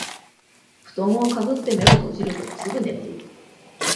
ふとんをかぶって目を閉じるとすぐ眠る